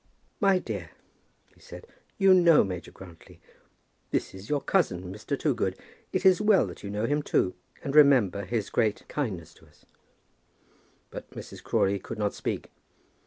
"My dear," he said, "you know Major Grantly. This is your cousin, Mr. Toogood. It is well that you know him too, and remember his great kindness to us." But Mrs. Crawley could not speak.